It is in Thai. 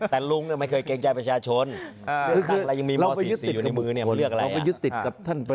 แต่รุงไม่เคยเกรงใจประชาชน